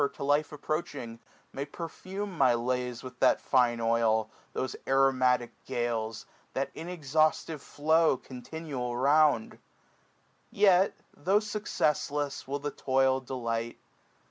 To life approaching, may perfume my lays With that fine oil, those aromatic gales, 475 That inexhaustive flow continual round ? Yet, tho' successless, will the toil delight.